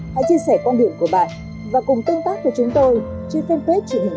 hãy chia sẻ quan điểm của bạn và cùng tương tác với chúng tôi trên fanpage truyền hình công an nhân dân